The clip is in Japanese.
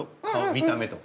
見た目とか。